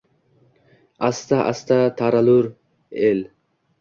Asta-asta taralur el